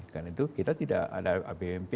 karena itu kita tidak ada apbnp